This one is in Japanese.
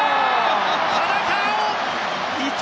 田中碧！